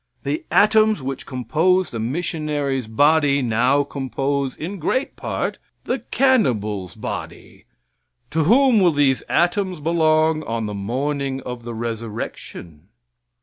The atoms which composed the missionary's body now compose in great part the cannibal's body. To whom will these atoms belong on the morning of the resurrection?